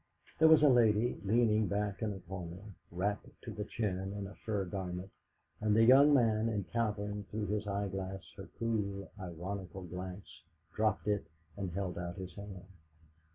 There was a lady leaning back in a corner, wrapped to the chin in a fur garment, and the young man, encountering through his eyeglass her cool, ironical glance, dropped it and held out his hand.